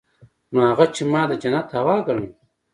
نو هغه چې ما د جنت هوا ګڼله.